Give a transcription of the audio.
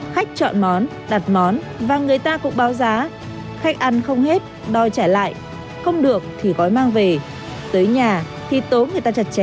khách chọn món đặt món và người ta cũng báo giá khách ăn không hết đòi trả lại không được thì gói mang về tới nhà thì tố người ta chặt chém